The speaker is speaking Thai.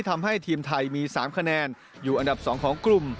ทำให้ทีมไทยมี๓คะแนนอยู่อันดับ๒ของกลุ่ม